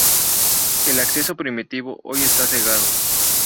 El acceso primitivo hoy está cegado.